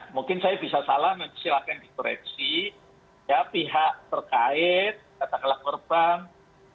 mungkin saya bisa salah silahkan dikoreksi ya pihak terkait katakanlah korban